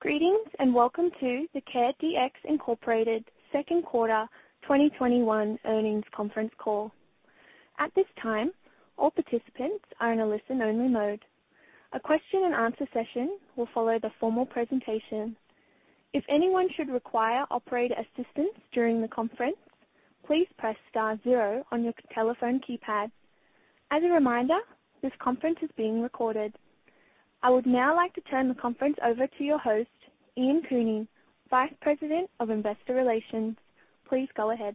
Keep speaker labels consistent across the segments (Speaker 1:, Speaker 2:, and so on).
Speaker 1: Greetings, and welcome to the CareDx, Inc. second quarter 2021 earnings conference call. At this time, all participants are in a listen-only mode. A question and answer session will follow the formal presentation. If anyone should require operator assistance during the conference, please press star zero on your telephone keypad. As a reminder, this conference is being recorded. I would now like to turn the conference over to your host, Ian Cooney, vice president of investor relations. Please go ahead.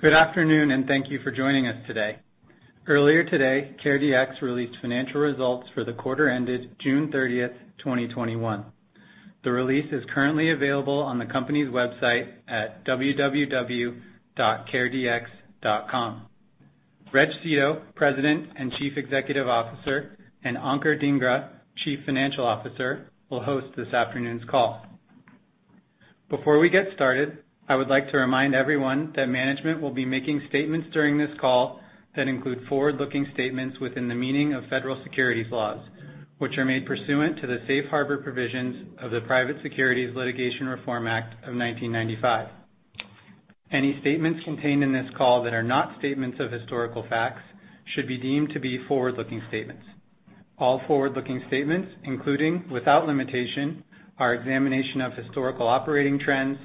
Speaker 2: Good afternoon, and thank you for joining us today. Earlier today, CareDx released financial results for the quarter ended June 30, 2021. The release is currently available on the company's website at www.caredx.com. Reg Seeto, President and Chief Executive Officer, and Ankur Dhingra, Chief Financial Officer, will host this afternoon's call. Before we get started, I would like to remind everyone that management will be making statements during this call that include forward-looking statements within the meaning of federal securities laws, which are made pursuant to the safe harbor provisions of the Private Securities Litigation Reform Act of 1995. Any statements contained in this call that are not statements of historical facts should be deemed to be forward-looking statements. All forward-looking statements, including, without limitation, our examination of historical operating trends;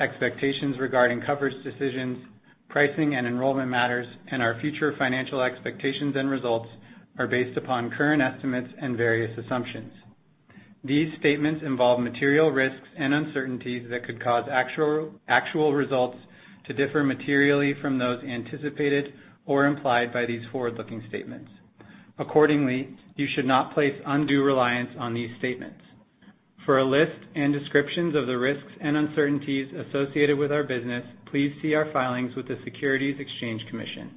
Speaker 2: expectations regarding coverage decisions, pricing, and enrollment matters; and our future financial expectations and results are based upon current estimates and various assumptions. These statements involve material risks and uncertainties that could cause actual results to differ materially from those anticipated or implied by these forward-looking statements. Accordingly, you should not place undue reliance on these statements. For a list and descriptions of the risks and uncertainties associated with our business, please see our filings with the Securities and Exchange Commission.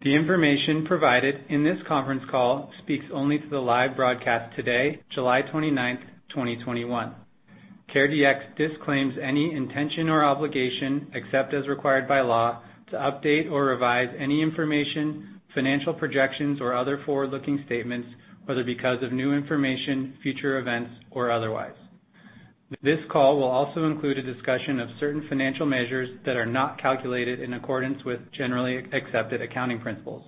Speaker 2: The information provided in this conference call speaks only to the live broadcast today, July 29th, 2021. CareDx disclaims any intention or obligation, except as required by law, to update or revise any information, financial projections, or other forward-looking statements, whether because of new information, future events, or otherwise. This call will also include a discussion of certain financial measures that are not calculated in accordance with Generally Accepted Accounting Principles.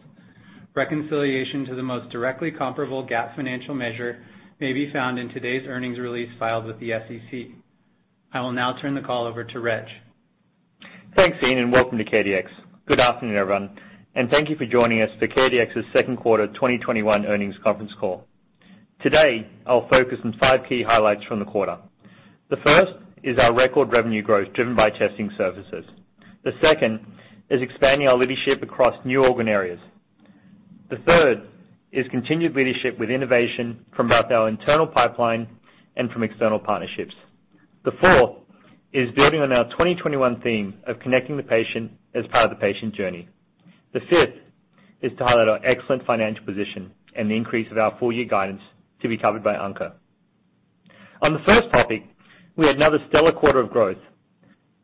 Speaker 2: Reconciliation to the most directly comparable GAAP financial measure may be found in today's earnings release filed with the SEC. I will now turn the call over to Reg.
Speaker 3: Thanks, Ian, and welcome to CareDx. Good afternoon, everyone, and thank you for joining us for CareDx's second quarter 2021 earnings conference call. Today, I'll focus on five key highlights from the quarter. The first is our record revenue growth driven by testing services. The second is expanding our leadership across new organ areas. The third is continued leadership with innovation from both our internal pipeline and from external partnerships. The fourth is building on our 2021 theme of connecting the patient as part of the patient journey. The fifth is to highlight our excellent financial position and the increase of our full-year guidance to be covered by Ankur. On the first topic, we had another stellar quarter of growth.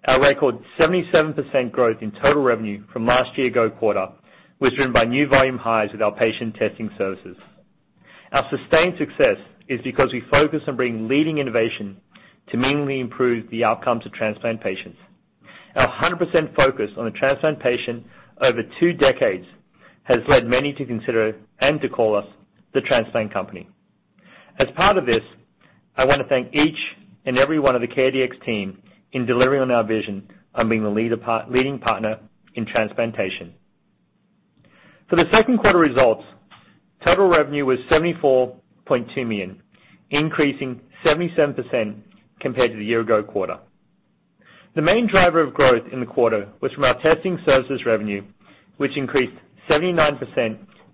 Speaker 3: Our record 77% growth in total revenue from last year's quarter was driven by new volume highs with our patient testing services. Our sustained success is because we focus on bringing leading innovation to meaningfully improve the outcomes of transplant patients. Our 100% focus on the transplant patient over two decades has led many to consider and to call us the transplant company. As part of this, I want to thank each and every one of the CareDx team in delivering on our vision on being the leading partner in transplantation. For the second quarter results, total revenue was $74.2 million, increasing 77% compared to the year-ago quarter. The main driver of growth in the quarter was from our testing services revenue, which increased 79%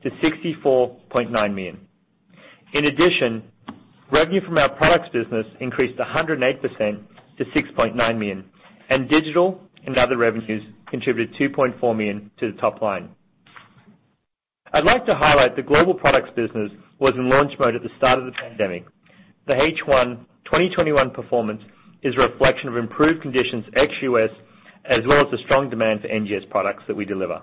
Speaker 3: to $64.9 million. In addition, revenue from our products business increased 108% to $6.9 million, and digital and other revenues contributed $2.4 million to the top line. I'd like to highlight the global products business was in launch mode at the start of the pandemic. The H1 2021 performance is a reflection of improved conditions ex-U.S. as well as the strong demand for NGS products that we deliver.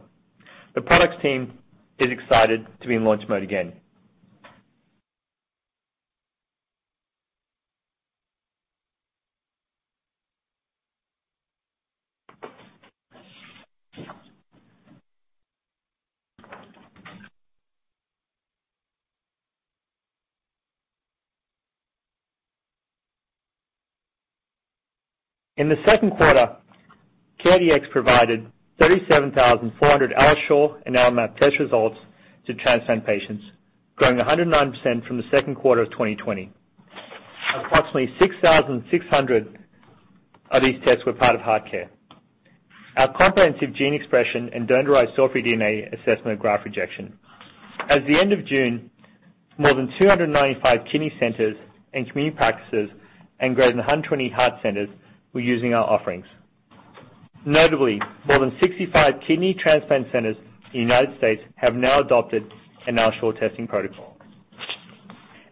Speaker 3: The products team is excited to be in launch mode again. In the second quarter, CareDx provided 37,400 AlloSure and AlloMap test results to transplant patients, growing 109% from the second quarter of 2020. Approximately 6,600 of these tests were part of HeartCare, our comprehensive gene expression and donor-derived cell-free DNA assessment of graft rejection. At the end of June, more than 295 kidney centers and community practices and greater than 120 heart centers were using our offerings. Notably, more than 65 kidney transplant centers in the U.S. have now adopted an AlloSure testing protocol.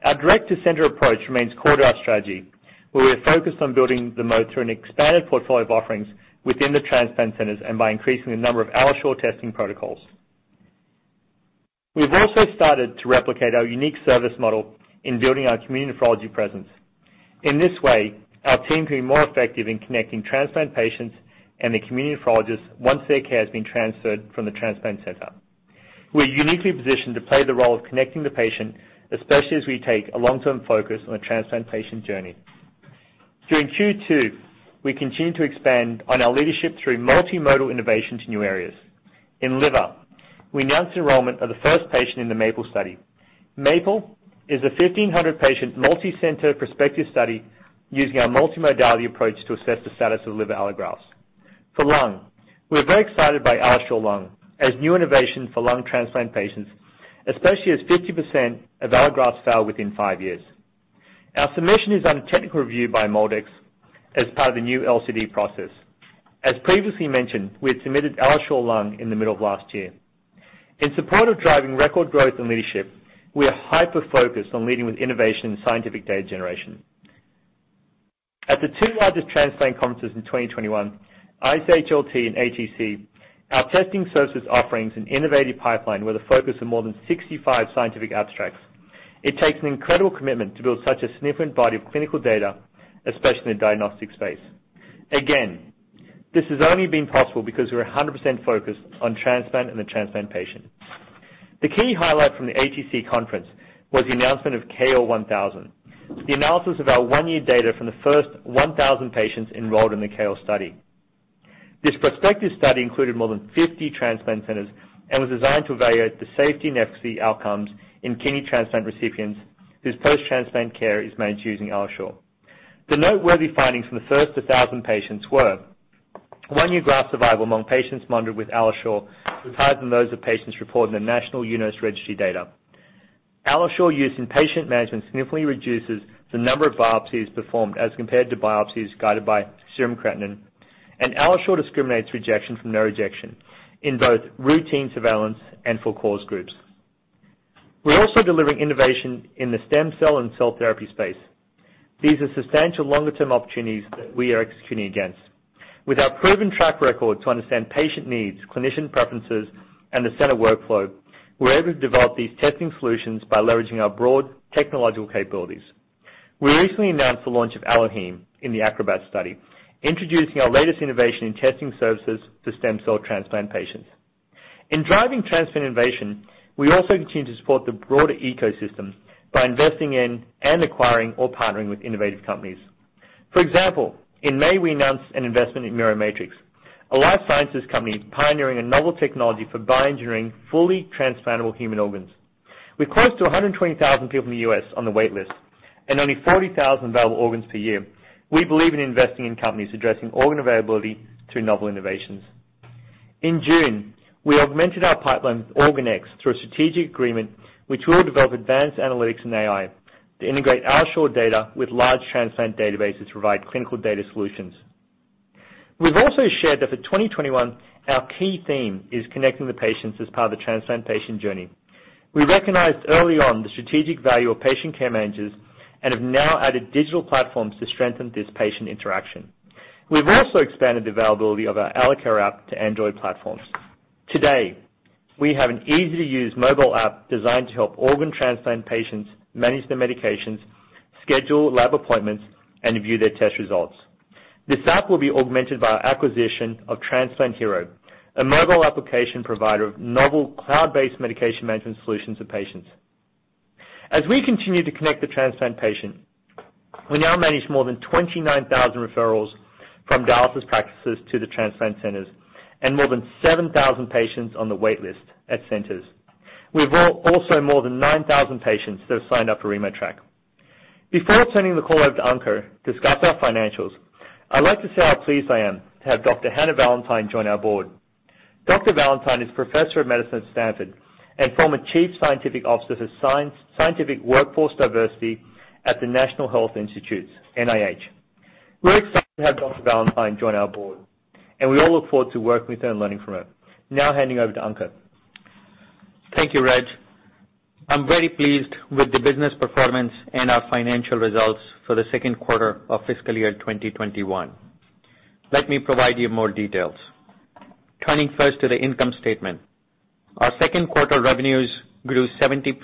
Speaker 3: Our direct-to-center approach remains core to our strategy, where we are focused on building the moat through an expanded portfolio of offerings within the transplant centers and by increasing the number of AlloSure testing protocols. We've also started to replicate our unique service model in building our community nephrology presence. In this way, our team can be more effective in connecting transplant patients and the community nephrologists once their care has been transferred from the transplant center. We're uniquely positioned to play the role of connecting the patient, especially as we take a long-term focus on a transplant patient journey. During Q2, we continued to expand on our leadership through multimodal innovations in new areas. In liver, we announced enrollment of the first patient in the MAPLE study. MAPLE is a 1,500-patient multi-center prospective study using our multimodality approach to assess the status of liver allografts. For lungs, we are very excited by AlloSure Lung as a new innovation for lung transplant patients, especially as 50% of allografts fail within five years. Our submission is under technical review by MolDX as part of the new LCD process. As previously mentioned, we had submitted AlloSure Lung in the middle of last year. In support of driving record growth and leadership, we are hyper-focused on leading with innovation and scientific data generation. At the two largest transplant conferences in 2021, ISHLT and ATC, our testing services offerings and innovative pipeline were the focus of more than 65 scientific abstracts. It takes an incredible commitment to build such a significant body of clinical data, especially in the diagnostic space. Again, this has only been possible because we're 100% focused on transplant and the transplant patient. The key highlight from the ATC conference was the announcement of KOAR 1000, the analysis of our one-year data from the first 1,000 patients enrolled in the KOAR study. This prospective study included more than 50 transplant centers and was designed to evaluate the safety and efficacy outcomes in kidney transplant recipients whose post-transplant care is managed using AlloSure. The noteworthy findings from the first 1,000 patients were: one-year graft survival among patients monitored with AlloSure was higher than those of patients reported in the national UNOS registry data. AlloSure use in patient management significantly reduces the number of biopsies performed as compared to biopsies guided by serum creatinine. AlloSure discriminates rejection from no rejection in both routine surveillance and for-cause groups. We're also delivering innovation in the stem cell and cell therapy space. These are substantial longer-term opportunities that we are executing against. With our proven track record to understand patient needs, clinician preferences, and the center workflow, we're able to develop these testing solutions by leveraging our broad technological capabilities. We recently announced the launch of AlloHeme in the ACROBAT study, introducing our latest innovation in testing services to stem cell transplant patients. In driving transplant innovation, we also continue to support the broader ecosystem by investing in and acquiring or partnering with innovative companies. For example, in May, we announced an investment in Miromatrix, a life sciences company pioneering a novel technology for bioengineering fully transplantable human organs. With close to 120,000 people in the U.S. on the wait list and only 40,000 available organs per year, we believe in investing in companies addressing organ availability through novel innovations. In June, we augmented our pipeline with OrganX through a strategic agreement which will develop advanced analytics and AI to integrate AlloSure data with large transplant databases to provide clinical data solutions. We've also shared that for 2021, our key theme is connecting the patients as part of the transplant patient journey. We recognized early on the strategic value of patient care managers and have now added digital platforms to strengthen this patient interaction. We've also expanded the availability of our AlloCare app to Android platforms. Today, we have an easy-to-use mobile app designed to help organ transplant patients manage their medications, schedule lab appointments, and view their test results. This app will be augmented by our acquisition of Transplant Hero, a mobile application provider of novel cloud-based medication management solutions to patients. As we continue to connect the transplant patient, we now manage more than 29,000 referrals from dialysis practices to the transplant centers and more than 7,000 patients on the wait list at centers. We have also more than 9,000 patients that have signed up for RemoTraC. Before turning the call over to Ankur to discuss our financials, I'd like to say how pleased I am to have Dr. Hannah Valantine join our board. Dr. Valantine is a professor of medicine at Stanford and former chief scientific officer for scientific workforce diversity at the National Institutes of Health, NIH. We're excited to have Dr. Valantine join our board, and we all look forward to working with her and learning from her. Now handing over to Ankur.
Speaker 4: Thank you, Reg. I'm very pleased with the business performance and our financial results for the second quarter of fiscal year 2021. Let me provide you more details. Turning first to the income statement. Our second quarter revenues grew 77%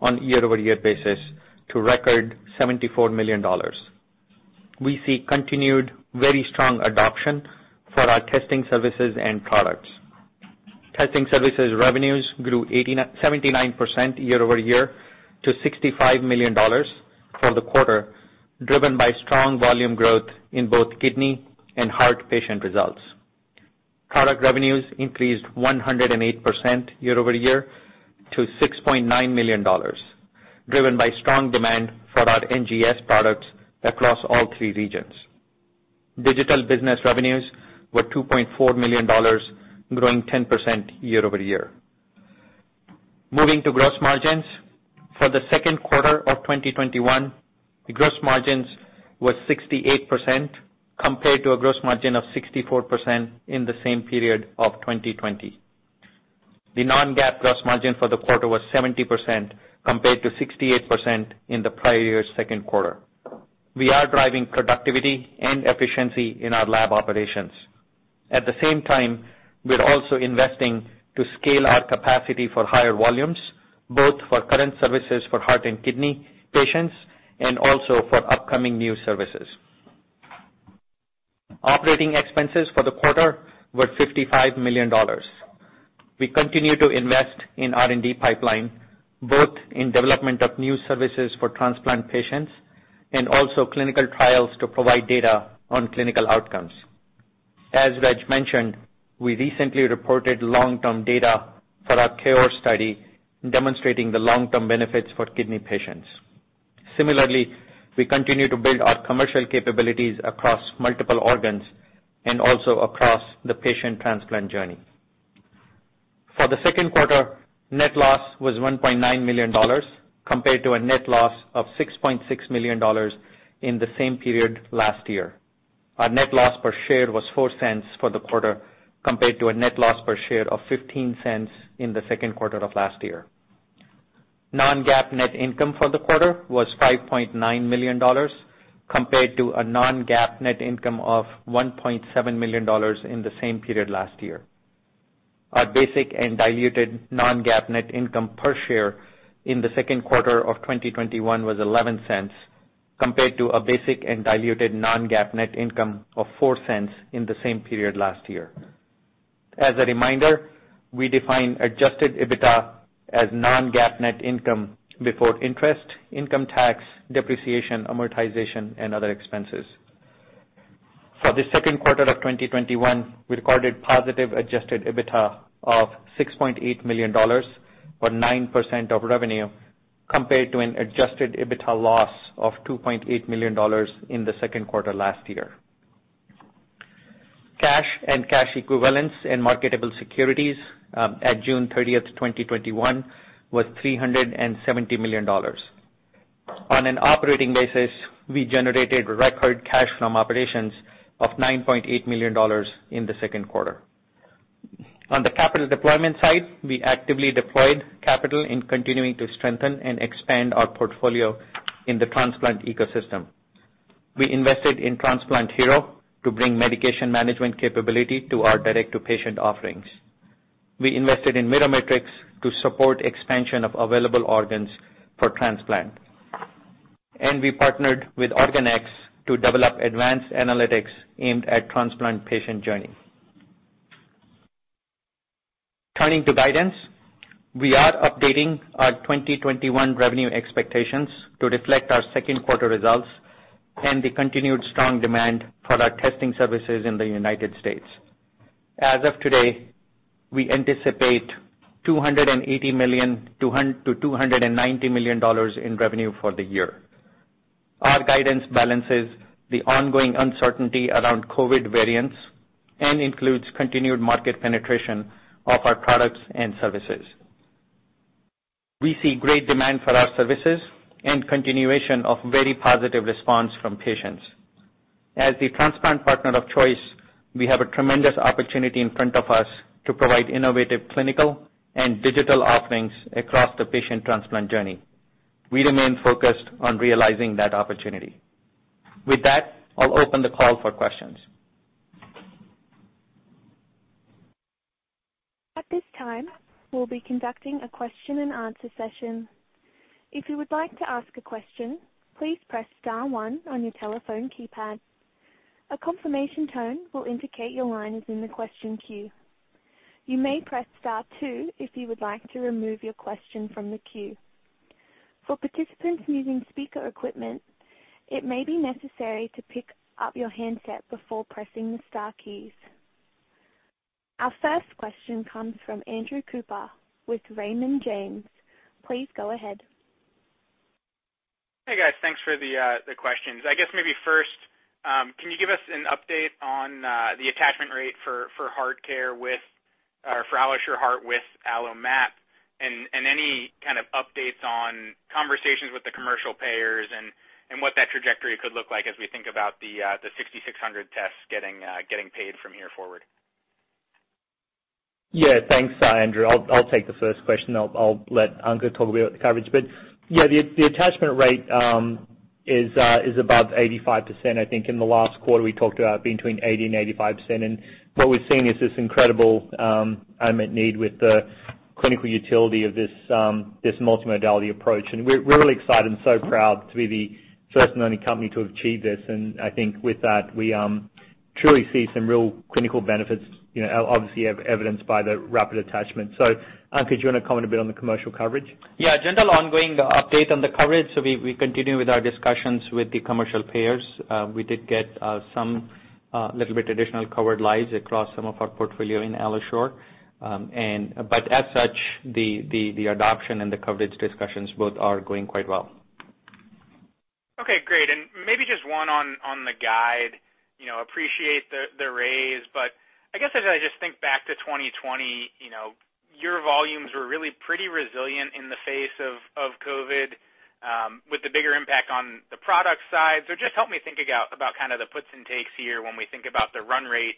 Speaker 4: on a year-over-year basis to record $74 million. We see continued very strong adoption for our testing services and products. Testing services revenues grew 79% year-over-year to $65 million for the quarter, driven by strong volume growth in both kidney and heart patient results. Product revenues increased 108% year-over-year to $6.9 million, driven by strong demand for our NGS products across all three regions. Digital business revenues were $2.4 million, growing 10% year-over-year. Moving to gross margins. For the second quarter of 2021, the gross margins were 68%, compared to a gross margin of 64% in the same period of 2020. The non-GAAP gross margin for the quarter was 70%, compared to 68% in the prior year's second quarter. We are driving productivity and efficiency in our lab operations. At the same time, we're also investing to scale our capacity for higher volumes, both for current services for heart and kidney patients and also for upcoming new services. Operating expenses for the quarter were $55 million. We continue to invest in R&D pipeline, both in development of new services for transplant patients and also clinical trials to provide data on clinical outcomes. As Reg mentioned, we recently reported long-term data for our KOAR study demonstrating the long-term benefits for kidney patients. Similarly, we continue to build our commercial capabilities across multiple organs and also across the patient transplant journey. For the second quarter, net loss was $1.9 million, compared to a net loss of $6.6 million in the same period last year. Our net loss per share was $0.04 for the quarter, compared to a net loss per share of $0.15 in the second quarter of last year. Non-GAAP net income for the quarter was $5.9 million, compared to a non-GAAP net income of $1.7 million in the same period last year. Our basic and diluted non-GAAP net income per share in the second quarter of 2021 was $0.11, compared to a basic and diluted non-GAAP net income of $0.04 in the same period last year. As a reminder, we define adjusted EBITDA as non-GAAP net income before interest, income tax, depreciation, amortization, and other expenses. For the second quarter of 2021, we recorded positive adjusted EBITDA of $6.8 million, or 9% of revenue, compared to an adjusted EBITDA loss of $2.8 million in the second quarter last year. Cash and cash equivalents and marketable securities at June 30th, 2021 was $370 million. On an operating basis, we generated record cash from operations of $9.8 million in the second quarter. On the capital deployment side, we actively deployed capital in continuing to strengthen and expand our portfolio in the transplant ecosystem. We invested in Transplant Hero to bring medication management capability to our direct-to-patient offerings. We invested in Miromatrix to support expansion of available organs for transplant. We partnered with OrganX to develop advanced analytics aimed at transplant patient journey. Turning to guidance, we are updating our 2021 revenue expectations to reflect our second quarter results and the continued strong demand for our testing services in the United States. As of today, we anticipate $280 million-$290 million in revenue for the year. Our guidance balances the ongoing uncertainty around COVID variants and includes continued market penetration of our products and services. We see great demand for our services and continuation of very positive response from patients. As the transplant partner of choice, we have a tremendous opportunity in front of us to provide innovative clinical and digital offerings across the patient transplant journey. We remain focused on realizing that opportunity. With that, I'll open the call for questions.
Speaker 1: At this time, we'll be conducting a question and answer session. If you would like to ask a question, please press star one on your telephone keypad. A confirmation tone will indicate your line is in the question queue. You may press star two if you would like to remove your question from the queue. For participants using speaker equipment, it may be necessary to pick up your handset before pressing the star keys. Our first question comes from Andrew Cooper with Raymond James. Please go ahead.
Speaker 5: Hey, guys. Thanks for the questions. I guess maybe first, can you give us an update on the attachment rate for AlloSure Heart with AlloMap and any kind of updates on conversations with the commercial payers and what that trajectory could look like as we think about the 6,600 tests getting paid from here forward?
Speaker 3: Thanks, Andrew Cooper. I'll take the 1st question. I'll let Ankur Dhingra talk a bit about the coverage. The attachment rate is above 85%. I think in the last quarter, we talked about being between 80% and 85%. What we're seeing is this incredible unmet need with the clinical utility of this multi-modality approach. We're really excited and so proud to be the 1st and only company to have achieved this. I think with that, we truly see some real clinical benefits, obviously evidenced by the rapid attachment. Ankur Dhingra, do you want to comment a bit on the commercial coverage?
Speaker 4: General ongoing update on the coverage. We continue with our discussions with the commercial payers. We did get some little bit additional covered lives across some of our portfolio in AlloSure. As such, the adoption and the coverage discussions both are going quite well.
Speaker 5: Okay, great. Maybe just one on the guide. Appreciate the raise. I guess as I just think back to 2020, your volumes were really pretty resilient in the face of COVID, with the bigger impact on the product side. Just help me think about the puts and takes here when we think about the run rate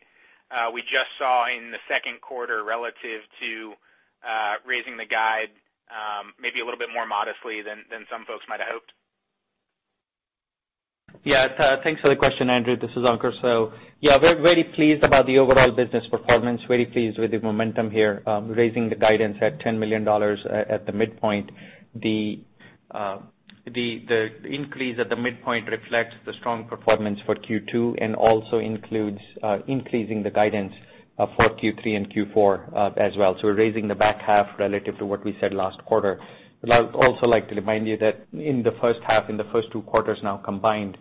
Speaker 5: we just saw in the second quarter relative to raising the guide maybe a little bit more modestly than some folks might have hoped.
Speaker 4: Thanks for the question, Andrew. This is Ankur. We're very pleased about the overall business performance, very pleased with the momentum here, raising the guidance at $10 million at the midpoint. The increase at the midpoint reflects the strong performance for Q2 and also includes increasing the guidance for Q3 and Q4 as well. We're raising the back half relative to what we said last quarter. I would also like to remind you that in the first half, in the first two quarters now combined,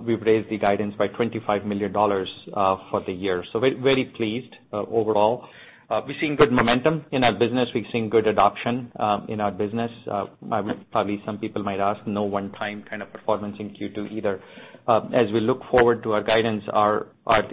Speaker 4: we've raised the guidance by $25 million for the year. Very pleased overall. We're seeing good momentum in our business. We're seeing good adoption in our business. Probably some people might ask, "No one-time kind of performance in Q2 either?" As we look forward to our guidance, our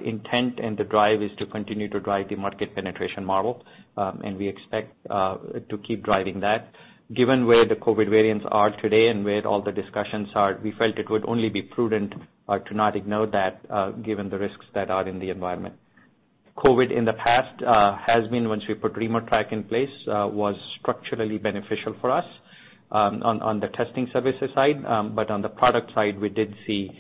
Speaker 4: intent and the drive is to continue to drive the market penetration model, and we expect to keep driving that. Given where the COVID variants are today and where all the discussions are, we felt it would only be prudent to not ignore that, given the risks that are in the environment. COVID in the past has been, once we put RemoTraC in place, was structurally beneficial for us on the testing services side. But on the product side, we did see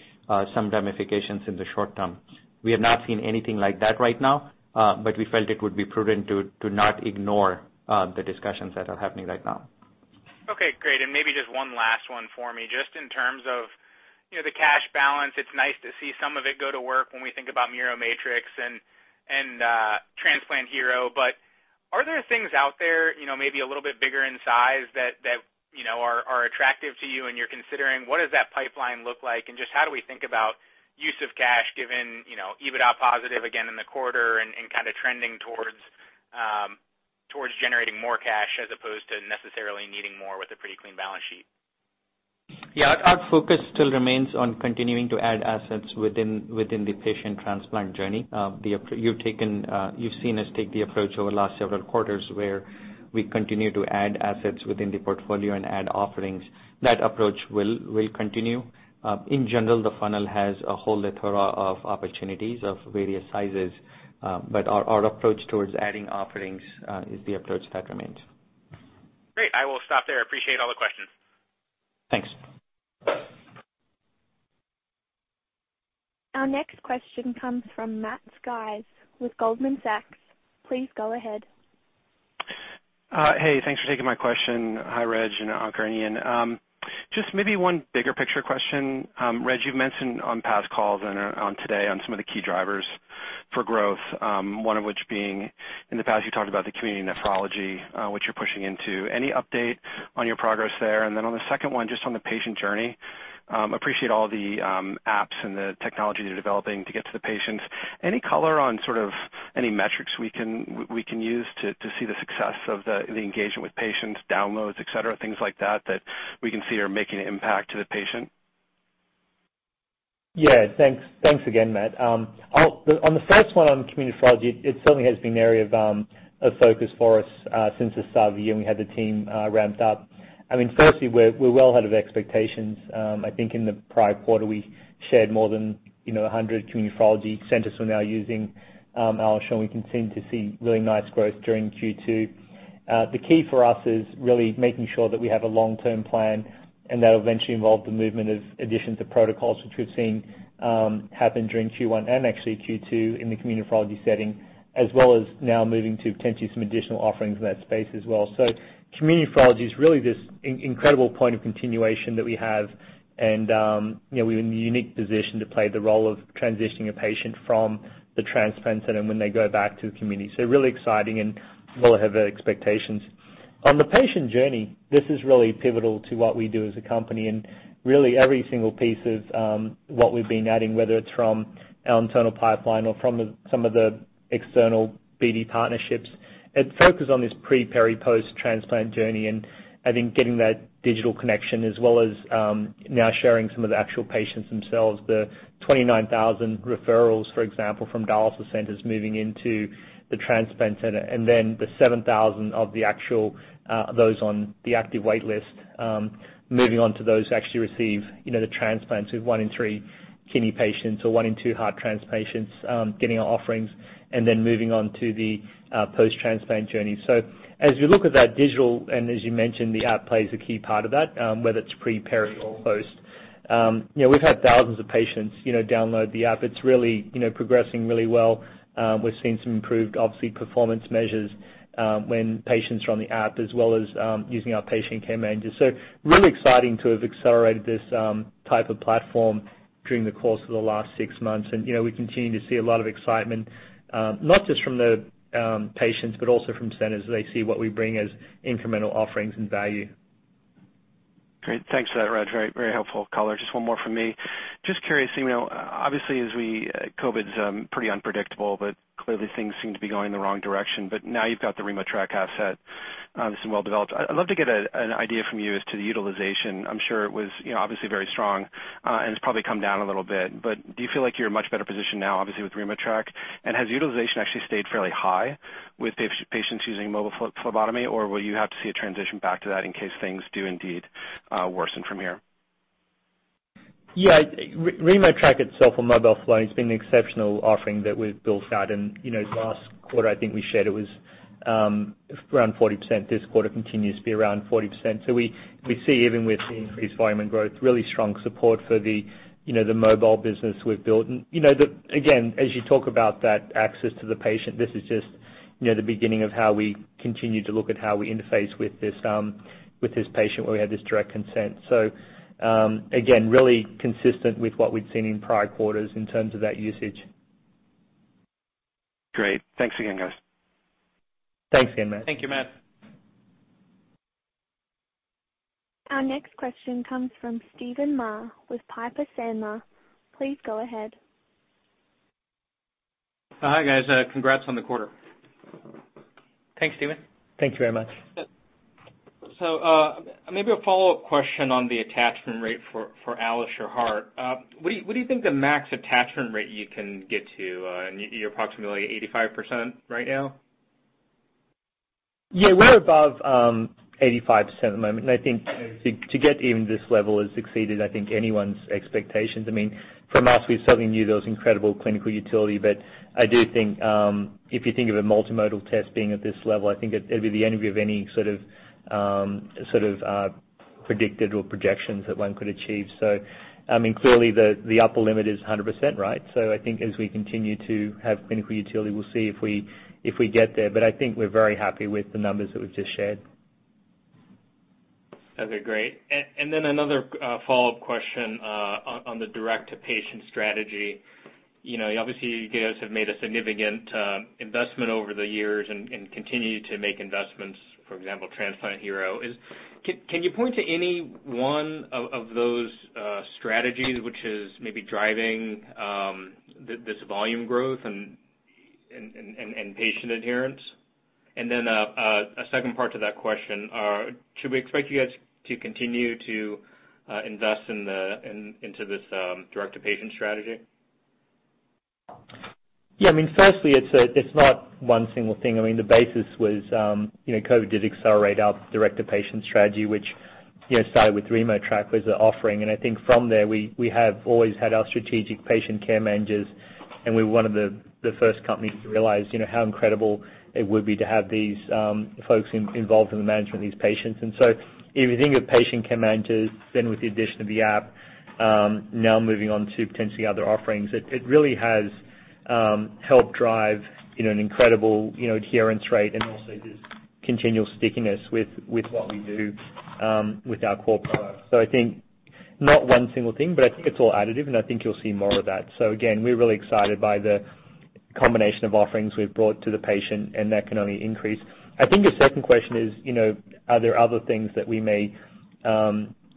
Speaker 4: some ramifications in the short term. We have not seen anything like that right now, but we felt it would be prudent to not ignore the discussions that are happening right now.
Speaker 5: Okay, great. Maybe just one last one for me. Just in terms of the cash balance, it's nice to see some of it go to work when we think about Miromatrix and Transplant Hero. Are there things out there maybe a little bit bigger in size that are attractive to you and you're considering? What does that pipeline look like? Just how do we think about use of cash given EBITDA positive again in the quarter and kind of trending towards generating more cash as opposed to necessarily needing more with a pretty clean balance sheet?
Speaker 4: Our focus still remains on continuing to add assets within the patient transplant journey. You've seen us take the approach over the last several quarters where we continue to add assets within the portfolio and add offerings. That approach will continue. In general, the funnel has a whole plethora of opportunities of various sizes. Our approach towards adding offerings is the approach that remains.
Speaker 5: Great. I will stop there. Appreciate all the questions.
Speaker 4: Thanks.
Speaker 1: Our next question comes from Matthew Sykes with Goldman Sachs. Please go ahead.
Speaker 6: Hey, thanks for taking my question. Hi, Reg and Ankur and Ian. Just maybe one bigger picture question. Reg, you've mentioned on past calls and on today on some of the key drivers for growth, one of which being in the past you talked about the community nephrology, which you're pushing into. Any update on your progress there? On the second one, just on the patient journey. Appreciate all the apps and the technology you're developing to get to the patients. Any color on sort of any metrics we can use to see the success of the engagement with patients, downloads, et cetera, things like that we can see are making an impact to the patient.
Speaker 3: Thanks again, Matthew. On the first one on community nephrology, it certainly has been an area of focus for us since the start of the year, and we had the team ramped up. Firstly, we're well ahead of expectations. I think in the prior quarter we shared more than 100 community nephrology centers were now using our AlloSure. We continue to see really nice growth during Q2. The key for us is really making sure that we have a long-term plan and that'll eventually involve the movement of additions of protocols, which we've seen happen during Q1 and actually Q2 in the community nephrology setting, as well as now moving to potentially some additional offerings in that space as well. Community nephrology is really this incredible point of continuation that we have, and we're in a unique position to play the role of transitioning a patient from the transplant center when they go back to the community. Really exciting and well ahead of expectations. On the patient journey, this is really pivotal to what we do as a company and really every single piece of what we've been adding, whether it's from our internal pipeline or from some of the external BD partnerships. It's focused on this pre-peri-post transplant journey, and I think getting that digital connection as well as now sharing some of the actual patients themselves. The 29,000 referrals, for example, from dialysis centers moving into the transplant center and then the 7,000 of the actual, those on the active wait list moving on to those who actually receive the transplants, with one in three kidney patients or one in two heart transplant patients getting our offerings and then moving on to the post-transplant journey. As we look at that digital, and as you mentioned, the app plays a key part of that, whether it's pre, peri, or post. We've had thousands of patients download the app. It's really progressing really well. We're seeing some improved, obviously, performance measures when patients are on the app as well as using our patient care managers. Really exciting to have accelerated this type of platform during the course of the last six months. We continue to see a lot of excitement, not just from the patients, but also from centers as they see what we bring as incremental offerings and value.
Speaker 6: Great. Thanks for that, Reg. Very helpful color. Just one more from me. Just curious, obviously COVID's pretty unpredictable, but clearly things seem to be going in the wrong direction. Now you've got the RemoTraC asset, obviously well developed. I'd love to get an idea from you as to the utilization. I'm sure it was obviously very strong, and it's probably come down a little bit. Do you feel like you're in a much better position now, obviously with RemoTraC? Has utilization actually stayed fairly high with patients using mobile phlebotomy? Will you have to see a transition back to that in case things do indeed worsen from here?
Speaker 3: RemoTraC itself on mobile flow has been an exceptional offering that we've built out. Last quarter, I think we shared it was around 40%. This quarter continues to be around 40%. We see, even with the increased volume and growth, really strong support for the mobile business we've built. Again, as you talk about that access to the patient, this is just the beginning of how we continue to look at how we interface with this patient where we have this direct consent. Again, really consistent with what we'd seen in prior quarters in terms of that usage.
Speaker 6: Great. Thanks again, guys.
Speaker 3: Thanks again, Matt.
Speaker 4: Thank you, Matt.
Speaker 1: Our next question comes from Steven Mah with Piper Sandler. Please go ahead.
Speaker 7: Hi, guys. Congrats on the quarter.
Speaker 4: Thanks, Steven.
Speaker 3: Thank you very much.
Speaker 7: Maybe a follow-up question on the attachment rate for AlloSure Heart. What do you think the max attachment rate you can get to? You're approximately 85% right now?
Speaker 3: We're above 85% at the moment. I think to get even this level has exceeded, I think, anyone's expectations. From us, we certainly knew there was incredible clinical utility. I do think, if you think of a multimodal test being at this level, I think it'd be the envy of any sort of predicted or projection that one could achieve. Clearly the upper limit is 100%, right? I think as we continue to have clinical utility, we'll see if we get there. I think we're very happy with the numbers that we've just shared.
Speaker 7: Okay, great. Another follow-up question, on the direct-to-patient strategy. Obviously, you guys have made a significant investment over the years and continue to make investments, for example, Transplant Hero. Can you point to any one of those strategies which is maybe driving this volume growth and patient adherence? A second part to that question. Should we expect you guys to continue to invest into this direct-to-patient strategy?
Speaker 3: Yeah. Firstly, it's not one single thing. The basis was COVID did accelerate our direct-to-patient strategy, which started with RemoTraC as an offering. I think from there, we have always had our strategic patient care managers, and we're one of the first companies to realize how incredible it would be to have these folks involved in the management of these patients. If you think of patient care managers, then with the addition of the app, now moving on to potentially other offerings, it really has helped drive an incredible adherence rate and also just continual stickiness with what we do with our core product. I think not one single thing, but I think it's all additive, and I think you'll see more of that. Again, we're really excited by the combination of offerings we've brought to the patient, and that can only increase. I think your second question is, are there other things that we may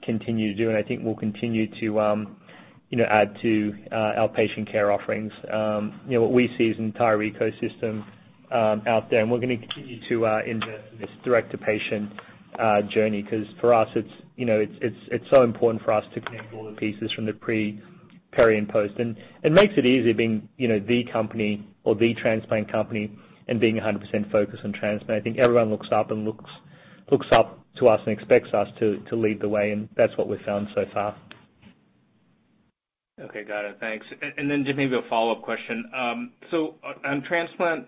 Speaker 3: continue to do? I think we'll continue to add to our patient care offerings. What we see is an entire ecosystem out there, and we're going to continue to endure this direct-to-patient journey because, for us, it's so important for us to connect all the pieces from the pre, peri, and post. It makes it easy being the company or the transplant company and being 100% focused on transplants. I think everyone looks up to us and expects us to lead the way, and that's what we've found so far.
Speaker 7: Okay, got it. Thanks. Just maybe a follow-up question. On Transplant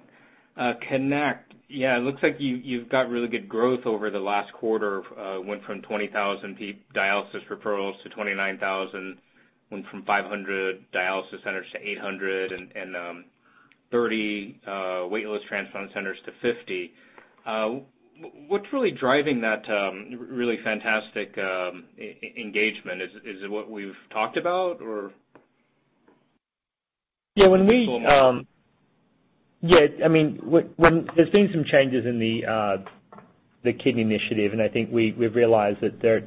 Speaker 7: Connect, yeah, it looks like you've got really good growth over the last quarter. Went from 20,000 dialysis referrals to 29,000. Went from 500 dialysis centers to 800 and 30 waitlist transplant centers to 50. What's really driving that really fantastic engagement? Is it what we've talked about?
Speaker 3: There's been some changes in the kidney initiative; I think we've realized that it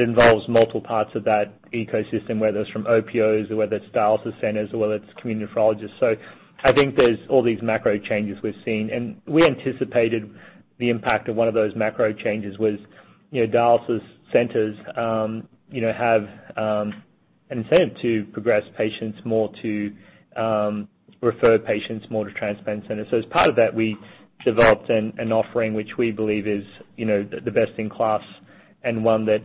Speaker 3: involves multiple parts of that ecosystem, whether it's from OPOs or whether it's dialysis centers or whether it's community nephrologists. I think there's all these macro changes we've seen. We anticipated the impact of one of those macro changes was dialysis centers have an incentive to progress patients more to refer patients more to transplant centers. As part of that, we developed an offering which we believe is the best in class and one that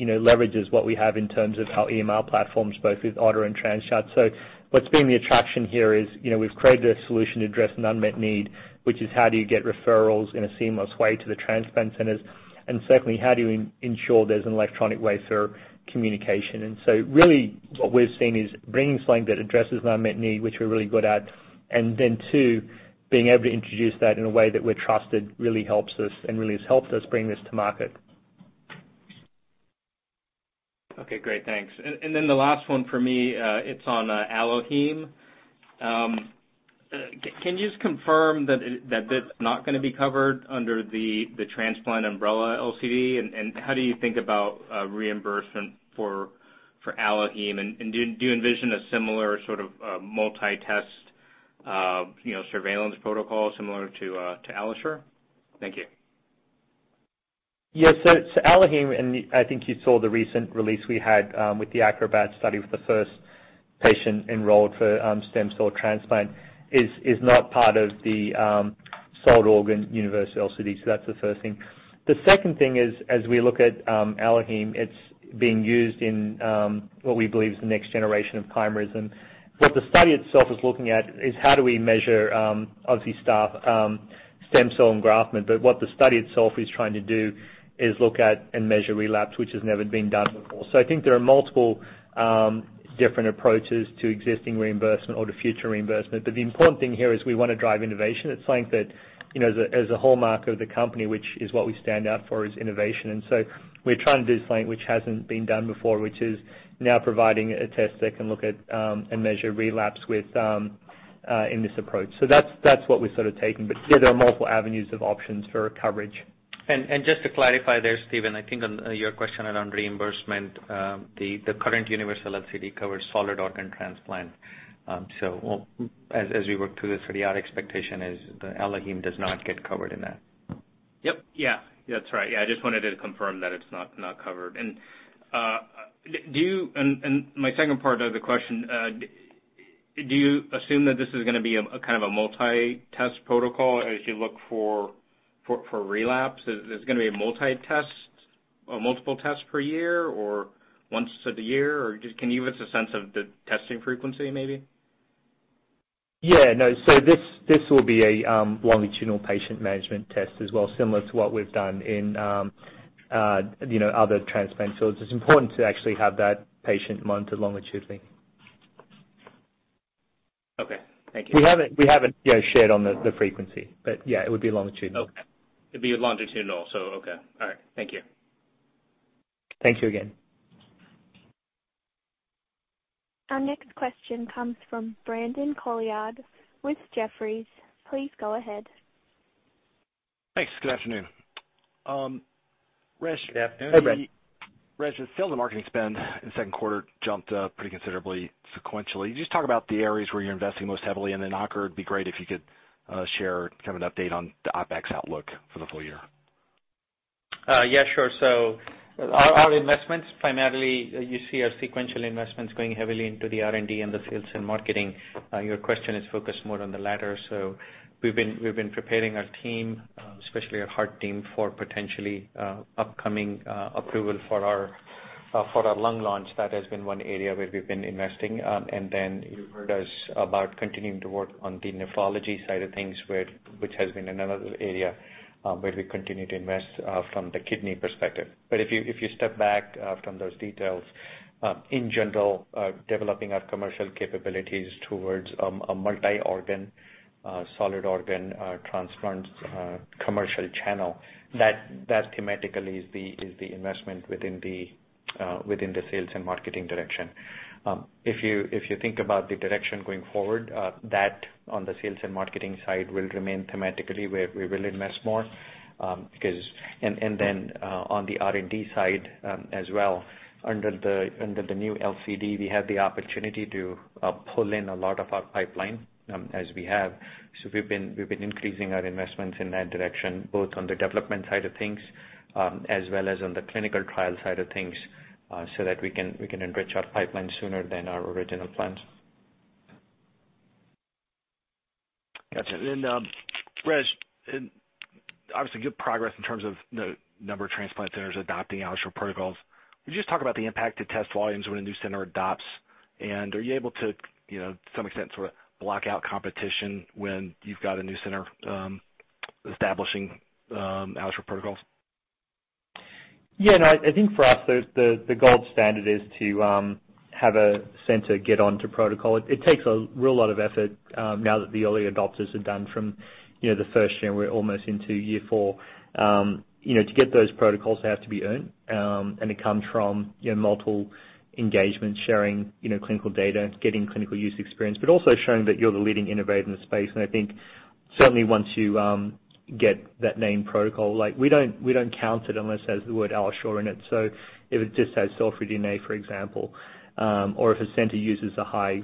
Speaker 3: leverages what we have in terms of our EMR platforms, both with OTTR and TransChart. What's been the attraction here is we've created a solution to address an unmet need, which is how do you get referrals in a seamless way to the transplant centers? Secondly, how do you ensure there's an electronic way through communication? Really, what we've seen is bringing something that addresses an unmet need, which we're really good at, and then two, being able to introduce that in a way that we're trusted really helps us and really has helped us bring this to market.
Speaker 7: Okay, great. Thanks. The last one for me, it's on AlloHeme. Can you just confirm that this is not going to be covered under the transplant umbrella LCD? How do you think about reimbursement for AlloHeme? Do you envision a similar sort of multi-test surveillance protocol similar to AlloSure? Thank you.
Speaker 3: AlloHeme, and I think you saw the recent release we had with the ACROBAT study with the first patient enrolled for stem cell transplant, is not part of the solid organ universal LCD. That's the first thing. The second thing is, as we look at AlloHeme, it's being used in what we believe is the next generation of chimerism. What the study itself is looking at is how do we measure Allo stem cell engraftment. What the study itself is trying to do is look at and measure relapse, which has never been done before. I think there are multiple different approaches to existing reimbursement or to future reimbursement. The important thing here is we want to drive innovation. It's something that, as a hallmark of the company, which is what we stand out for, is innovation. We're trying to do something which hasn't been done before, which is now providing a test that can look at and measure relapse in this approach. That's what we're sort of taking. Yeah, there are multiple avenues of options for coverage.
Speaker 4: Just to clarify there, Steven, I think on your question around reimbursement, the current universal LCD covers solid-organ transplants. As we work through this, our expectation is that AlloHeme does not get covered in that.
Speaker 7: That's right. Yeah, I just wanted to confirm that it's not covered. My second part of the question: Do you assume that this is going to be a kind of a multi-test protocol as you look for relapse? Is this going to be multiple tests per year or once a year? Just can you give us a sense of the testing frequency, maybe?
Speaker 3: Yeah, no. This will be a longitudinal patient management test as well, similar to what we've done in other transplants. It's important to actually have that patient monitored longitudinally.
Speaker 7: Okay. Thank you.
Speaker 3: We haven't yet shared on the frequency, but yeah, it would be longitudinal.
Speaker 7: Okay. It'd be longitudinal. Okay. All right. Thank you.
Speaker 3: Thank you again.
Speaker 1: Our next question comes from Brandon Couillard with Jefferies. Please go ahead.
Speaker 8: Thanks. Good afternoon.
Speaker 4: Good afternoon.
Speaker 3: Hey, Brandon.
Speaker 8: Reg, the sales and marketing spend in the second quarter jumped up pretty considerably sequentially. Could you just talk about the areas where you're investing most heavily? Ankur, it'd be great if you could share kind of an update on the OpEx outlook for the full year.
Speaker 4: Sure. Our investments, primarily, you see our sequential investments going heavily into the R&D and the sales and marketing. Your question is focused more on the latter. We've been preparing our team, especially our heart team, for potentially upcoming approval for our lung launch. That has been one area where we've been investing. You heard us about continuing to work on the nephrology side of things, which has been another area where we continue to invest from the kidney perspective. If you step back from those details, in general, developing our commercial capabilities towards a multi-organ, solid-organ transplant commercial channel, that thematically is the investment within the sales and marketing direction. If you think about the direction going forward, that on the sales and marketing side will remain thematically where we will invest more. Then on the R&D side as well, under the new LCD, we have the opportunity to pull in a lot of our pipeline as we have. We've been increasing our investments in that direction, both on the development side of things as well as on the clinical trial side of things, so that we can enrich our pipeline sooner than our original plans.
Speaker 8: Gotcha. Reg, obviously good progress in terms of the number of transplant centers adopting AlloSure protocols. Could you just talk about the impact to test volumes when a new center adopts? Are you able to some extent, sort of block out competition when you've got a new center establishing AlloSure protocols?
Speaker 3: Yeah, no, I think for us, the gold standard is to have a center get onto protocol. It takes a real lot of effort now that the early adopters have done from the first year, and we're almost into year 4. To get those protocols, they have to be earned. It comes from multiple engagements, sharing clinical data, getting clinical use experience, but also showing that you're the leading innovator in the space. I think certainly once you get that name protocol, like, we don't count it unless it has the word "AlloSure" in it. If it just has cell-free DNA, for example, or if a center uses a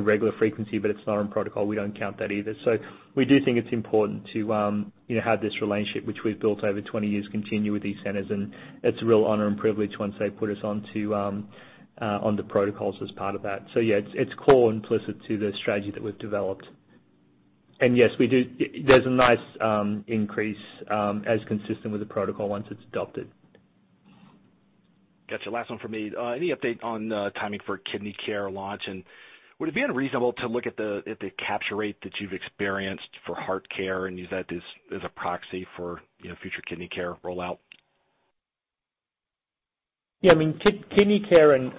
Speaker 3: regular frequency but it's not on protocol, we don't count that either. We do think it's important to have this relationship, which we've built over 20 years, continue with these centers, and it's a real honor and privilege once they put us onto protocols as part of that. Yeah, it's core implicit to the strategy that we've developed. Yes, there's a nice increase as consistent with the protocol once it's adopted.
Speaker 8: Gotcha. Last one from me. Any update on timing for KidneyCare launch, and would it be unreasonable to look at the capture rate that you've experienced for HeartCare and use that as a proxy for future KidneyCare rollout?
Speaker 3: Yeah. Kidney Care and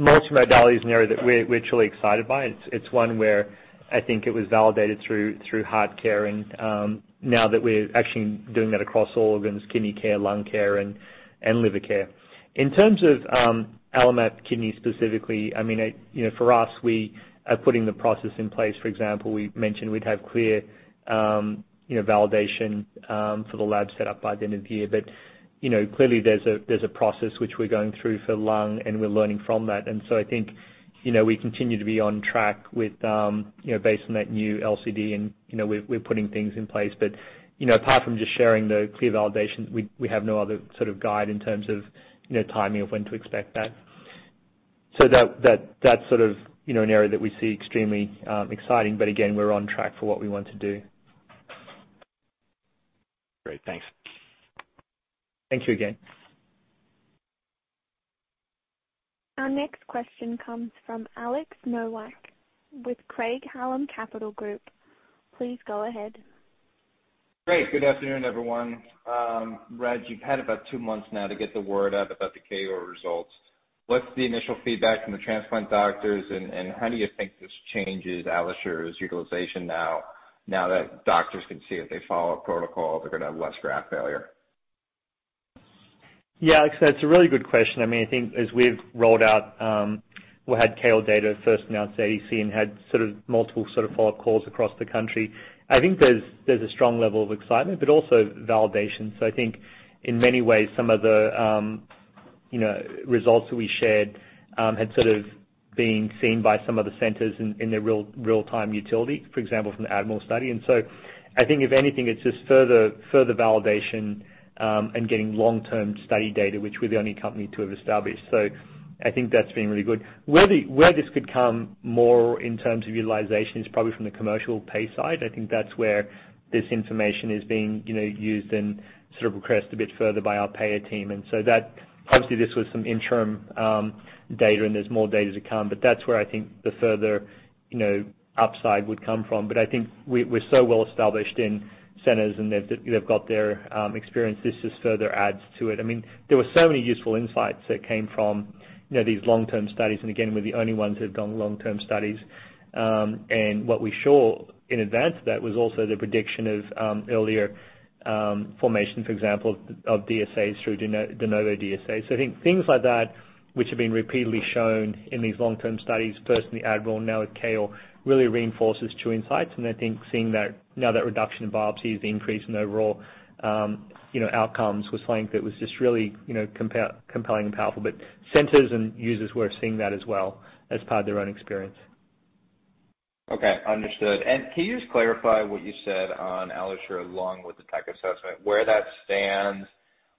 Speaker 3: multimodality is an area that we're truly excited by. It's one where I think it was validated through HeartCare, now that we're actually doing that across all organs: KidneyCare, LungCare, and LiverCare. In terms of AlloMap kidney specifically, for us, we are putting the process in place. For example, we mentioned we'd have clear validation for the lab set up by the end of the year. Clearly there's a process which we're going through for lung, we're learning from that. I think we continue to be on track based on that new LCD; we're putting things in place. Apart from just sharing the CLIA validation, we have no other sort of guide in terms of timing of when to expect that. That's an area that we see extremely exciting, but again, we're on track for what we want to do.
Speaker 8: Great. Thanks.
Speaker 3: Thank you again.
Speaker 1: Our next question comes from Alex Nowak with Craig-Hallum Capital Group. Please go ahead.
Speaker 9: Great. Good afternoon, everyone. Reg, you've had about two months now to get the word out about the KOAR results. What is the initial feedback from the transplant doctors, and how do you think this changes? AlloSure's utilization—now that doctors can see if they follow a protocol, they are going to have less graft failure?
Speaker 3: Alex, that's a really good question. As we've rolled out, we had KOAR data first announced at ATC and had sort of multiple follow-up calls across the country. There's a strong level of excitement, also validation. In many ways, some of the results that we shared had sort of been seen by some of the centers in their real-time utility, for example, from the ADMIRAL study. If anything, it's just further validation and getting long-term study data, which we're the only company to have established. That's been really good. Where this could come more in terms of utilization is probably from the commercial pay side. That's where this information is being used and sort of requested a bit further by our payer team. Obviously this was some interim data, and there's more data to come, but that's where I think the further upside would come from. I think we're so well established in centers, and they've got their experience. This just further adds to it. There were so many useful insights that came from these long-term studies, and again, we're the only ones who have done long-term studies. What we show in advance of that was also the prediction of earlier formation, for example, of DSAs through de novo DSAs. I think things like that, which have been repeatedly shown in these long-term studies, first in the ADMIRAL, now with KOAR, really reinforces true insights, and I think seeing now that reduction in biopsies, the increase in overall outcomes was something that was just really compelling and powerful. Centers and users were seeing that as well as part of their own experience.
Speaker 9: Okay. Understood. Can you just clarify what you said on AlloSure Lung with the tech assessment, where that stand?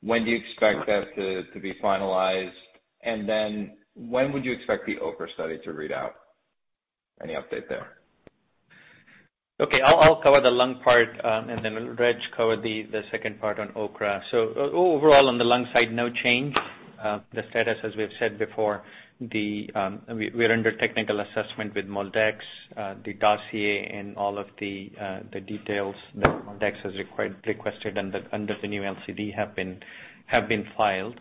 Speaker 9: When do you expect that to be finalized, and then when would you expect the OKRA study to read out? Any update there?
Speaker 4: Okay. I'll cover the lung part, and then Reg cover the second part on OKRA. Overall, on the lung side, no change. The status, as we've said before, we're under technical assessment with MolDX; the dossier and all of the details that MolDX has requested under the new LCD have been filed.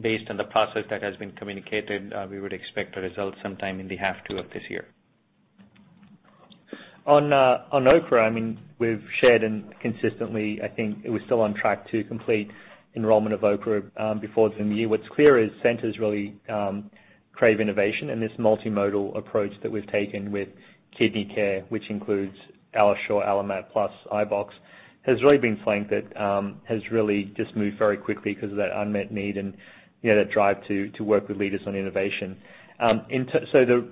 Speaker 4: Based on the process that has been communicated, we would expect a result sometime in the half two of this year.
Speaker 3: On OKRA, we've shared, and consistently, I think we're still on track to complete enrollment of OKRA before the end of the year. What's clear is centers really crave innovation. This multimodal approach that we've taken with KidneyCare, which includes AlloSure, AlloMap, iBox, has really been something that has really just moved very quickly because of that unmet need and that drive to work with leaders on innovation. The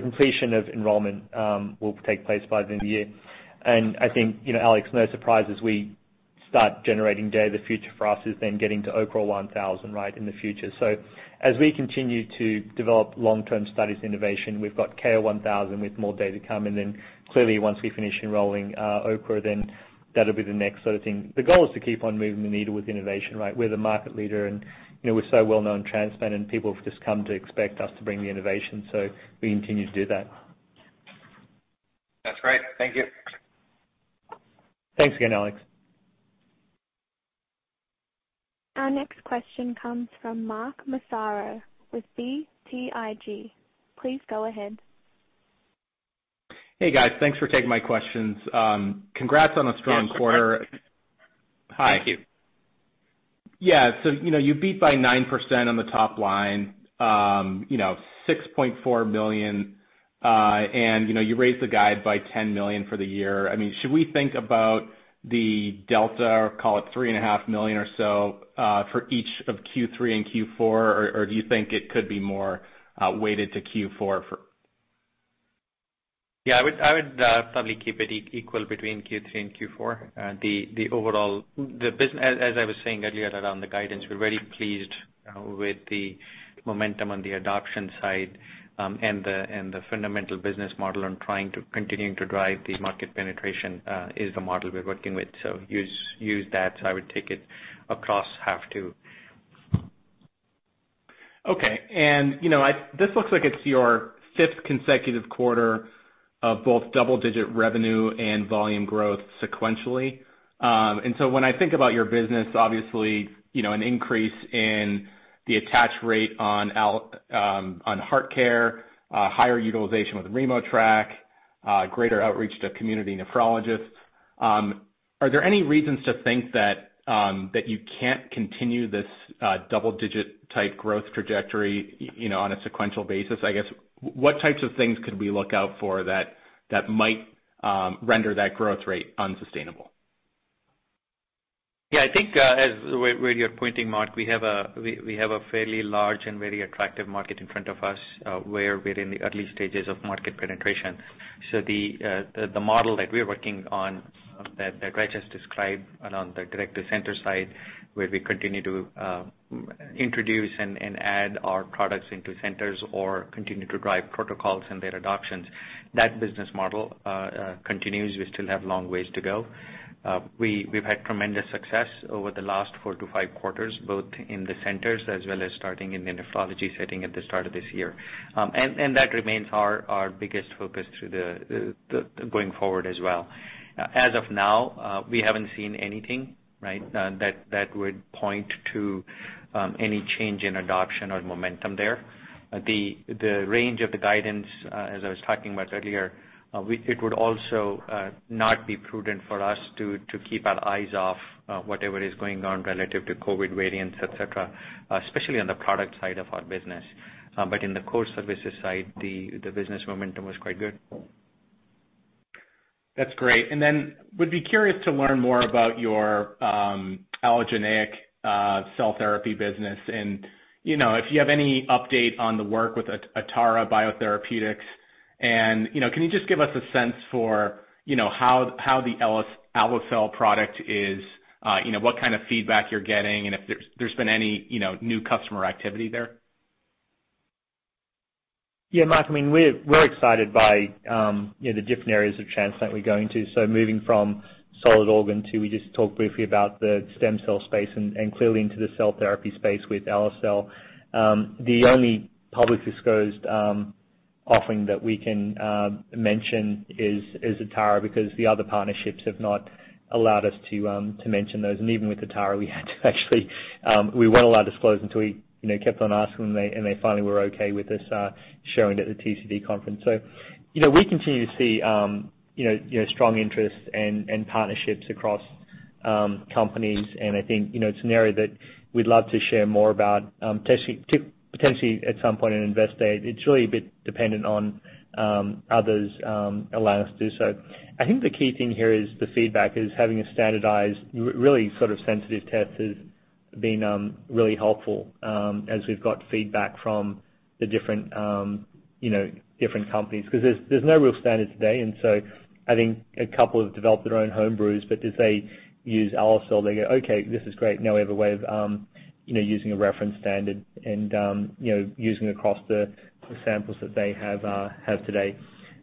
Speaker 3: completion of enrollment will take place by the end of the year. I think, Alex, no surprises; we start generating data. The future for us is then getting to OKRA 1000 right in the future. As we continue to develop long-term studies innovation, we've got KOAR 1000 with more data coming in. Clearly, once we finish enrolling OKRA, then that'll be the next sort of thing. The goal is to keep on moving the needle with innovation, right? We're the market leader, and we're so well-known transplant, and people have just come to expect us to bring the innovation, so we continue to do that.
Speaker 9: That's great. Thank you.
Speaker 3: Thanks again, Alex.
Speaker 1: Our next question comes from Mark Massaro with BTIG. Please go ahead.
Speaker 10: Hey, guys. Thanks for taking my questions. Congrats on a strong quarter.
Speaker 3: Thank you.
Speaker 10: You beat by 9% on the top line, $6.4 million, and you raised the guide by $10 million for the year. Should we think about the delta, or call it three and a half million or so, for each of Q3 and Q4? Do you think it could be more weighted to Q4?
Speaker 4: I would probably keep it equal between Q3 and Q4. As I was saying earlier around the guidance, we're very pleased with the momentum on the adoption side and the fundamental business model, and trying to continuing to drive the market penetration is the model we're working with. Use that. I would take it across half two.
Speaker 10: Okay. This looks like it's your fifth consecutive quarter of both double-digit revenue and volume growth sequentially. When I think about your business, obviously, an increase in the attach rate on HeartCare, higher utilization with RemoTraC, and greater outreach to community nephrologists. Are there any reasons to think that you can't continue this double-digit type growth trajectory on a sequential basis? I guess what types of things could we look out for that might render that growth rate unsustainable?
Speaker 4: Yeah, I think where you're pointing, Mark, we have a fairly large and very attractive market in front of us where we're in the early stages of market penetration. The model that we're working on, that Reg just described on the direct-to-center side, where we continue to introduce and add our products into centers or continue to drive protocols and their adoptions. That business model continues. We still have long ways to go. We've had tremendous success over the last four to five quarters, both in the centers as well as starting in the nephrology setting at the start of this year. That remains our biggest focus going forward as well. As of now, we haven't seen anything that would point to any change in adoption or momentum there. The range of the guidance, as I was talking about earlier, it would also not be prudent for us to keep our eyes off whatever is going on relative to COVID variants, et cetera, especially on the product side of our business. In the core services side, the business momentum was quite good.
Speaker 10: That's great. Would be curious to learn more about your allogeneic cell therapy business and if you have any update on the work with Atara Biotherapeutics, and can you just give us a sense for how the AlloCell product is, what kind of feedback you're getting, and if there's been any new customer activity there?
Speaker 3: Mark, we're excited by the different areas of transplant we're going to. Moving from solid organs to—we just talked briefly about the stem cell space and clearly into the cell therapy space with AlloCell. The only publicly disclosed offering that we can mention is Atara, because the other partnerships have not allowed us to mention those. Even with Atara, we weren't allowed to disclose until we kept on asking them, and they finally were okay with us showing it at the TCT conference. We continue to see strong interest and partnerships across companies, and I think it's an area that we'd love to share more about, potentially at some point in Investor Day. It's really a bit dependent on others allowing us to do so. I think the key thing here is the feedback is having a standardized, really sort of sensitive test has been really helpful, as we've got feedback from the different companies, because there's no real standard today, and so I think a couple have developed their own home brews, but as they use AlloCell, they go, "Okay, this is great." Now we have a way of using a reference standard and using across the samples that they have today.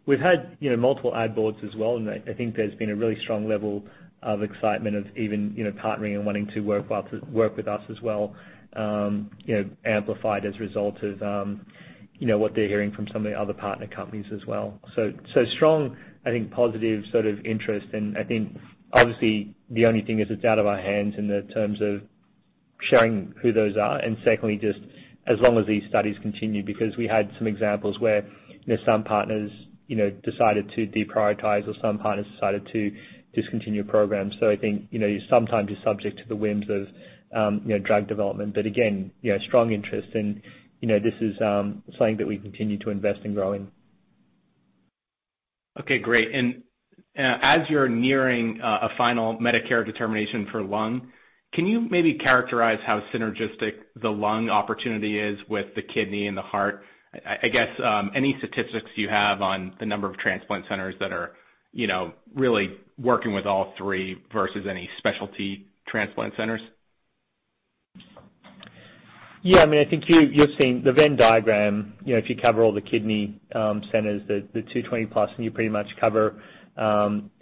Speaker 3: We've had multiple ad boards as well, and I think there's been a really strong level of excitement of even partnering and wanting to work with us as well, amplified as a result of what they're hearing from some of the other partner companies as well. Strong, I think, positive sort of interest, and I think obviously the only thing is it's out of our hands in the terms of sharing who those are. Secondly, just as long as these studies continue, because we had some examples where some partners decided to deprioritize or some partners decided to discontinue programs. I think sometimes you're subject to the whims of drug development. Again, strong interest, and this is something that we continue to invest in growing.
Speaker 10: Okay, great. As you're nearing a final Medicare determination for lung, can you maybe characterize how synergistic the lung opportunity is with the kidney and the heart? I guess, any statistics you have on the number of transplant centers that are really working with all three versus any specialty transplant centers?
Speaker 3: I think you've seen the Venn diagram. If you cover all the kidney centers, the 220+, and you pretty much cover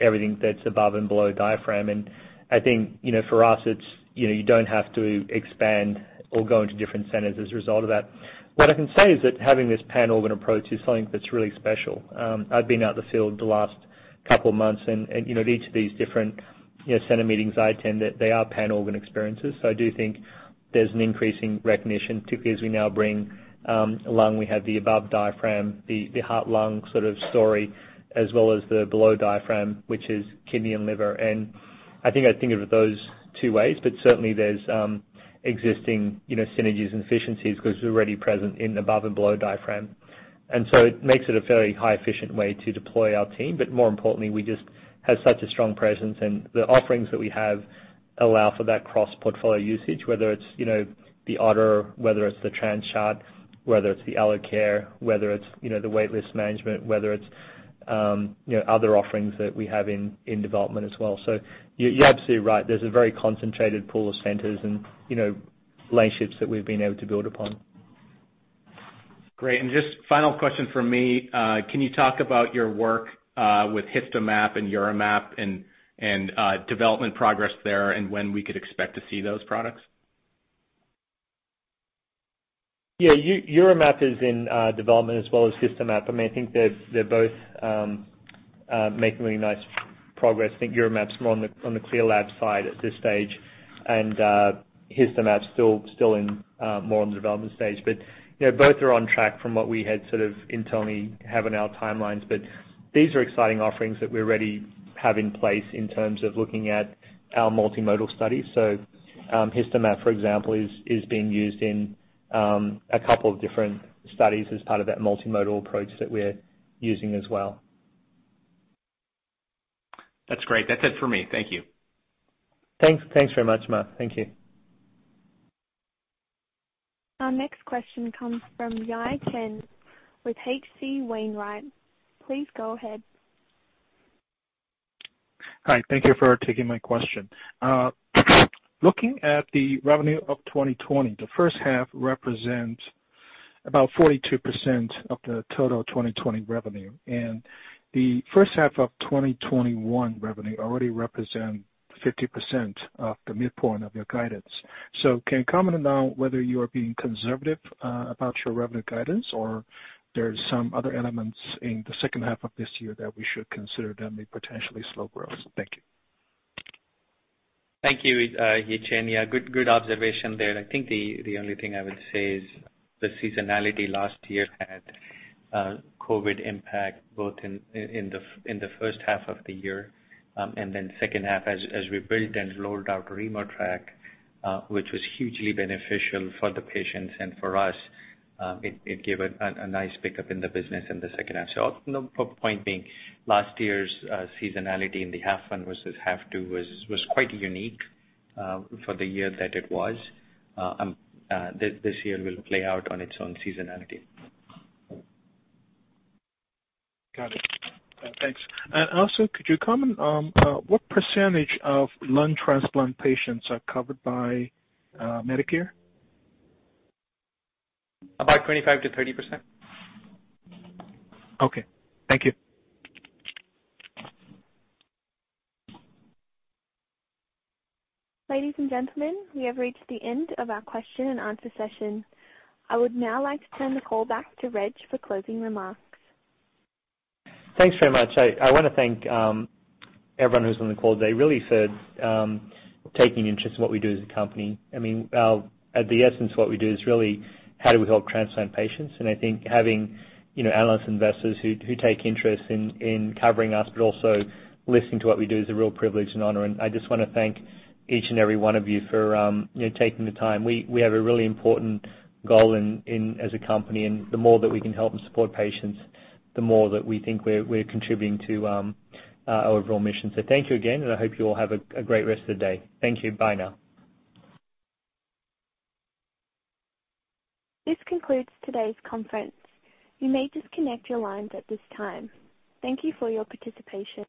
Speaker 3: everything that's above and below diaphragm. I think for us, you don't have to expand or go into different centers as a result of that. What I can say is that having this pan-organ approach is something that's really special. I've been out in the field the last couple of months, and at each of these different center meetings I attend, they are pan-organ experiences. I do think there's an increasing recognition, particularly as we now bring lungs. We have the above diaphragm, the heart-lung sort of story, as well as the below diaphragm, which is kidneys and liver. I think I'd think of it those two ways, but certainly there's existing synergies and efficiencies because they're already present in above and below the diaphragm. It makes it a very high efficient way to deploy our team. More importantly, we just have such a strong presence, and the offerings that we have allow for that cross-portfolio usage, whether it's the Ottr, whether it's the TransChart, whether it's the AlloCare, whether it's the wait list management, or whether it's other offerings that we have in development as well. You're absolutely right. There's a very concentrated pool of centers and relationships that we've been able to build upon.
Speaker 10: Great. Just final question from me. Can you talk about your work with HistoMap and UroMap and development progress there and when we could expect to see those products?
Speaker 3: UroMap is in development as well as HistoMap. I think they both make really nice progress. I think UroMap's more on the CLIA lab side at this stage, and HistoMap's still more on the development stage. Both are on track from what we had sort of internally have in our timelines. These are exciting offerings that we already have in place in terms of looking at our multimodal studies. HistoMap, for example, is being used in a couple of different studies as part of that multimodal approach that we're using as well.
Speaker 10: That's great. That's it for me. Thank you.
Speaker 3: Thanks very much, Mark. Thank you.
Speaker 1: Our next question comes from Yi Chen with H.C. Wainwright. Please go ahead.
Speaker 11: Hi, thank you for taking my question. Looking at the revenue of 2020, the first half represents about 42% of the total 2020 revenue, and the first half of 2021 revenue already represents 50% of the midpoint of your guidance. Can comment on whether you are being conservative about your revenue guidance or there's some other elements in the second half of this year that we should consider that may potentially slow growth. Thank you.
Speaker 4: Thank you, Yi Chen. Good observation there. I think the only thing I would say is the seasonality last year had COVID impact both in the first half of the year and then second half as we built and rolled out RemoTraC, which was hugely beneficial for the patients and for us. It gave a nice pickup in the business in the second half. The point being, last year's seasonality in the half one versus half two was quite unique for the year that it was. This year will play out on its own seasonality.
Speaker 11: Got it. Thanks. Also, could you comment on what % of lung transplant patients are covered by Medicare?
Speaker 4: About 25%-30%.
Speaker 11: Okay. Thank you.
Speaker 1: Ladies and gentlemen, we have reached the end of our question-and-answer session. I would now like to turn the call back to Reg Seeto for closing remarks.
Speaker 3: Thanks very much. I want to thank everyone who's on the call today, really, for taking interest in what we do as a company. At the essence, what we do is really, how do we help transplant patients? I think having analysts, investors who take interest in covering us but also listening to what we do is a real privilege and honor. I just want to thank each and every one of you for taking the time. We have a really important goal as a company, and the more that we can help and support patients, the more that we think we're contributing to our overall mission. Thank you again, and I hope you all have a great rest of the day. Thank you. Bye now.
Speaker 1: This concludes today's conference. You may disconnect your lines at this time. Thank you for your participation.